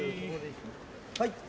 はい。